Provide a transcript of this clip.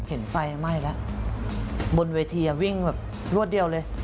เห็นไฟไหม้แล้วบนเวทีวิ่งแบบรวดเดียวเลย